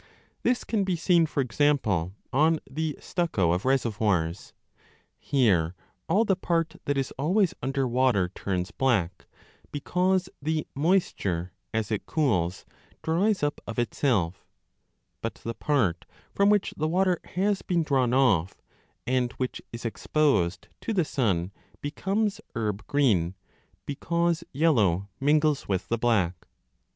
This can be seen, for example, on the stucco of reservoirs ; here all the part that is always under water turns black, because the mois ture, as it cools, dries up of itself, but the part from which the water has been drawn off, and which is exposed to the 795 a sun, becomes herb green, because yellow mingles with the black.